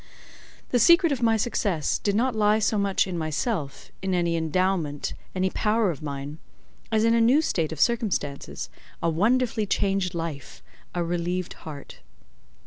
The secret of my success did not lie so much in myself, in any endowment, any power of mine, as in a new state of circumstances, a wonderfully changed life, a relieved heart.